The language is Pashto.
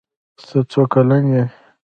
ته څو کلن يي